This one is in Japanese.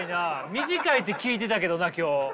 短いって聞いてたけどな今日。